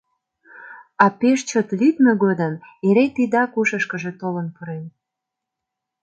А пеш чот лӱдмӧ годым эре тидак ушышкыжо толын пурен.